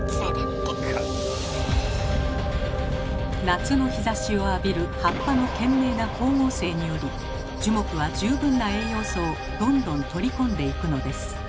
夏の日ざしを浴びる葉っぱの懸命な光合成により樹木は十分な栄養素をどんどんとり込んでいくのです。